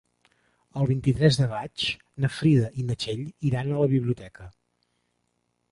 El vint-i-tres de maig na Frida i na Txell iran a la biblioteca.